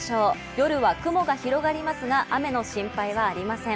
夜は雲が広がりますが雨の心配はありません。